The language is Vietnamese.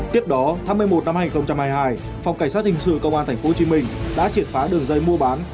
tiếp đó tháng một mươi một năm hai nghìn hai mươi hai phòng cảnh sát hình sự công an tp hcm đã triệt phá đường dây mua bán